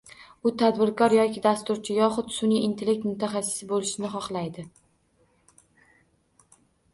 U tadbirkor yoki dasturchi yoxud sunʼiy intellekt mutaxassisi boʻlishni xohlaydi.